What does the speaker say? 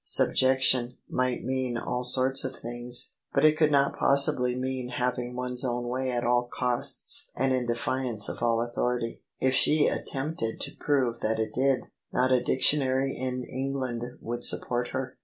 " Subjection " might mean all sorts of things; but it could not possibly mean having one's own way at all costs and in defiance of all authority : if she attempted to prove that it did, not a dictionary in England would support her.